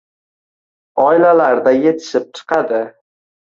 oilalarda yetishib chiqadi.